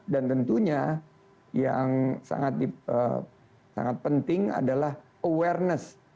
dan tentunya yang sangat penting adalah awareness